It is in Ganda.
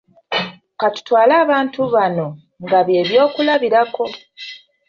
Katutwale abantu bano nga bye byokulabirako.